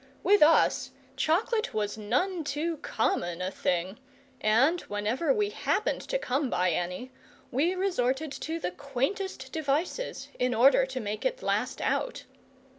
With us, chocolate was none too common a thing, and, whenever we happened to come by any, we resorted to the quaintest devices in order to make it last out.